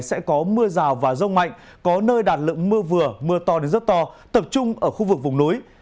sẽ có mưa rào và rông mạnh có nơi đạt lượng mưa vừa mưa to đến rất to tập trung ở khu vực vùng núi